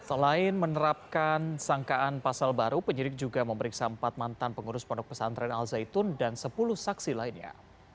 selain menerapkan sangkaan pasal baru penyidik juga memeriksa empat mantan pengurus pondok pesantren al zaitun dan sepuluh saksi lainnya